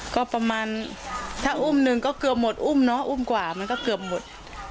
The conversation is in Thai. ก็ประมาณถ้าอุ้มหนึ่งก็เกือบหมดอุ้มเนาะอุ้มกว่ามันก็เกือบหมด